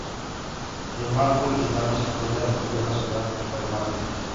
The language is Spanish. El marco original se encuentra en el Museo Nacional Germano.